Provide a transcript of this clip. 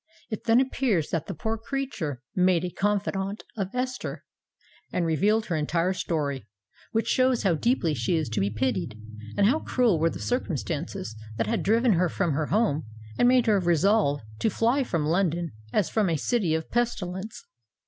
It then appears that the poor creature made a confidant of Esther, and revealed her entire story, which shows how deeply she is to be pitied, and how cruel were the circumstances that had driven her from her home, and made her resolve to fly from London as from a city of pestilence.